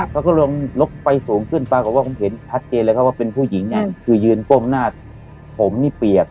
เขาก็ลงลบไปสูงขึ้นปรากฏว่าผมเห็นชัดเจนเลยครับว่าเป็นผู้หญิงคือยืนก้มหน้าผมนี่เปียก